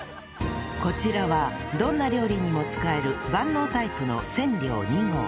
こちらはどんな料理にも使える万能タイプの千両二号